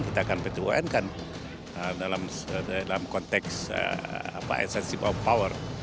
kita akan petuankan dalam konteks esensi power